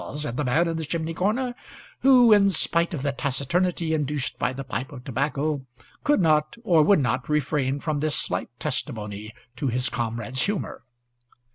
said the man in the chimney corner, who, in spite of the taciturnity induced by the pipe of tobacco, could not or would not refrain from this slight testimony to his comrade's humour.